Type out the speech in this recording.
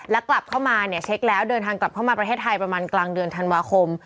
แล้วกลับเข้ามาเนี่ยเช็คแล้วเดินทางกลับเข้ามาประเทศไทยประมาณกลางเดือนธันวาคม